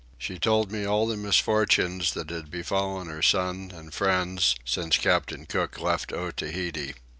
She told me all the misfortunes that had befallen her son and friends since Captain Cook left Otaheite.